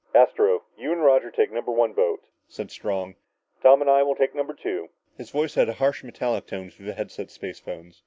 "Astro, you and Roger take number one boat," said Strong. "Tom and I will take number two." His voice had a harsh metallic tone through the headset spacephones.